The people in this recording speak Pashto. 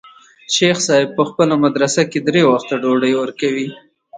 شيخ صاحب په خپله مدرسه کښې درې وخته ډوډۍ وركوي.